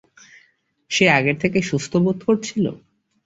সে আগের থেকে সুস্থ বোধ করছিল?